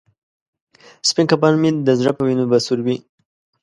سپین کفن مې د زړه په وینو به سور وي.